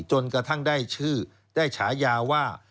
จนกระทั่งได้ชื่อได้ฉายาว่า